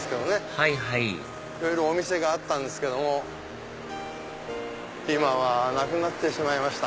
はいはいいろいろお店があったんですけども今はなくなってしまいました。